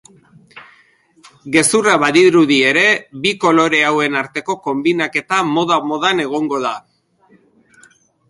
Gezurra badirudi ere, bi kolore hauen arteko konbinaketa moda-modan egongo da.